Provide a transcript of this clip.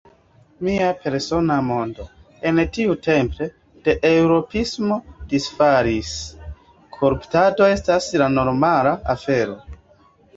Mia persona mondo, en tiu templo de eŭropismo, disfalis: koruptado estas do normala afero.